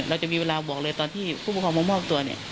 เราจะมีเวลาบอกเลยตอนที่ผู้ปกครองมามอบตัวเนี่ย